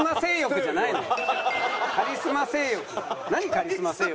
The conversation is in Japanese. カリスマ性欲。